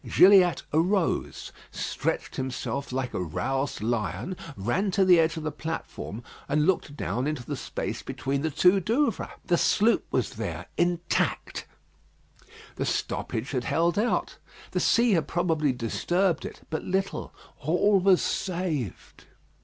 Gilliatt arose, stretched himself like a roused lion, ran to the edge of the platform, and looked down into the space between the two Douvres. The sloop was there, intact; the stoppage had held out; the sea had probably disturbed it but little. All was saved.